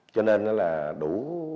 cho nên nó là đủ